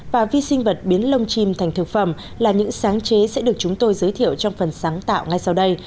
và vi sinh vật biến lông chim thành thực phẩm là những sáng chế sẽ được chúng tôi giới thiệu trong phần sáng tạo ngay sau đây